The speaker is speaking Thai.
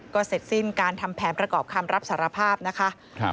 ก็เสร็จสิ้นการทำแผนประกอบคำรับสารภาพนะคะ